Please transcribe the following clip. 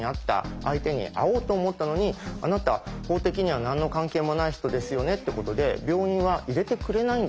相手に会おうと思ったのに「あなた法的には何の関係もない人ですよね」ってことで病院は入れてくれないんですよ